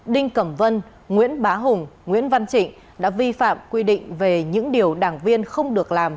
đinh cẩm vân nguyễn bá hùng nguyễn văn trịnh đã vi phạm quy định về những điều đảng viên không được làm